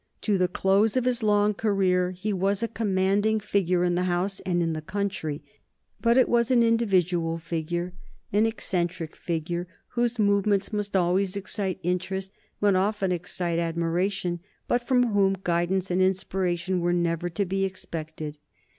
To the close of his long career he was a commanding figure in the House and in the country, but it was an individual figure, an eccentric figure, whose movements must always excite interest, must often excite admiration, but from whom guidance and inspiration were never to be expected.